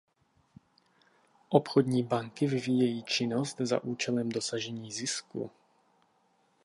Obchodní banky vyvíjejí činnost za účelem dosažení zisku.